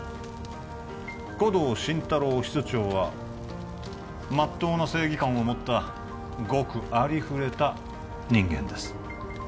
護道心太朗室長はまっとうな正義感を持ったごくありふれた人間です